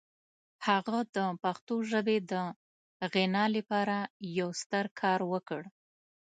هغه د پښتو ژبې د غنا لپاره یو ستر کار وکړ.